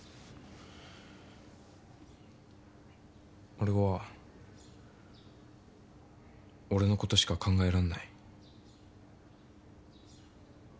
俺は俺のことしか考えらんない。